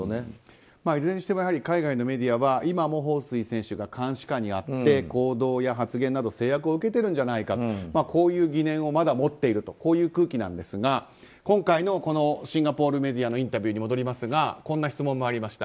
いずれにしても海外のメディアは今もホウ・スイ選手が監視下にあって行動や発言など制約を受けてるんじゃないかという疑念をまだ持っているとこういう空気なんですが今回のシンガポールメディアのインタビューに戻りますがこんな質問がありました。